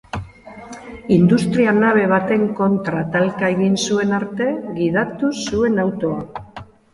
Industria-nabe baten kontra talka egin zuen arte gidatu zuen autoa.